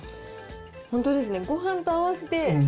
本当ですね、ごはんと合わせて。